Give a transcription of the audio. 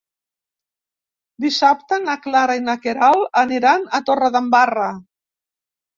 Dissabte na Clara i na Queralt aniran a Torredembarra.